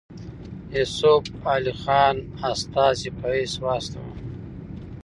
یوسف علي خان استازي په حیث واستاوه.